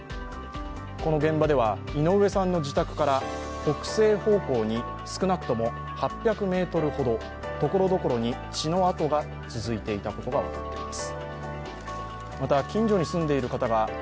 この現場では井上さんの自宅から北西方向に少なくとも８００ｍほどところどころに血の跡が続いていたことが分かっています。